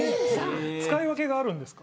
使い分けがあるんですか。